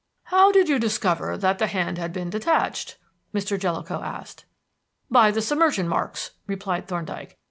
"How did you discover that the hand had been detached?" Mr. Jellicoe asked. "By the submersion marks," replied Thorndyke.